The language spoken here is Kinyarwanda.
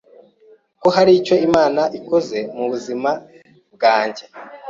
ko hari icyo Imana ikoze ku buziama bwanjye,